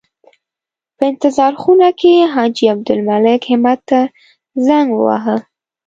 په انتظار خونه کې حاجي عبدالمالک همت ته زنګ وواهه.